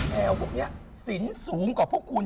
แต่พวกนี้สินสูงกว่าพวกคุณ